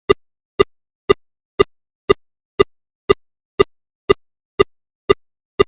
Qui no pot caminar que es posi a córrer, va dir en Bigorra.